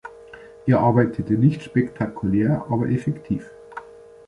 Er arbeitete nicht spektakulär, aber effektiv.